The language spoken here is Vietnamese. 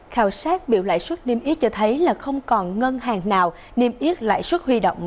khảo sát biểu lãi suất niêm yết cho thấy là không còn ngân hàng nào niêm yết lãi suất huy động